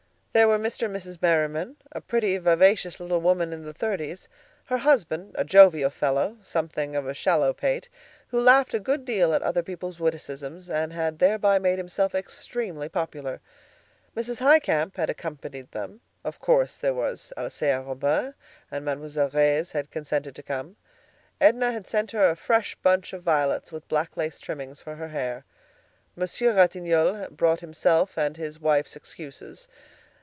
There were Mr. and Mrs. Merriman, a pretty, vivacious little woman in the thirties; her husband, a jovial fellow, something of a shallow pate, who laughed a good deal at other people's witticisms, and had thereby made himself extremely popular. Mrs. Highcamp had accompanied them. Of course, there was Alcée Arobin; and Mademoiselle Reisz had consented to come. Edna had sent her a fresh bunch of violets with black lace trimmings for her hair. Monsieur Ratignolle brought himself and his wife's excuses.